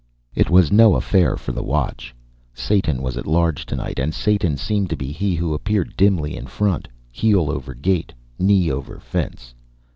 It was no affair for the watch: Satan was at large tonight and Satan seemed to be he who appeared dimly in front, heel over gate, knee over fence.